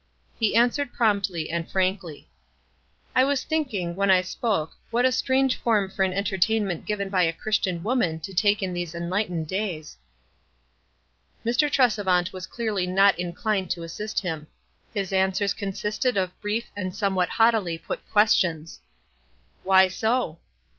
He answered promptly and frankly, — 252 WISE AND OTHERWISE. " I was thinking, when I spoke, what a strange form for an entertainment given by a Christian woman to take in these enlightened days." Mr. Tresevant was clearly not inclined to assist him. His answers consisted of brief and somewhat haughtily put questions. "Why so?"